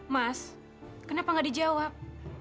mas kenapa gak dijawab